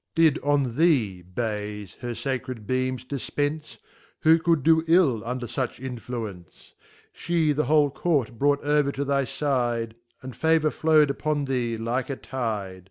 C Did Did on thee, &yw, her Acred beams difpence, Who could do ill under fuch influence ? She the whole Court brought over to thy fide And favour flow'd upon thee like a Tide.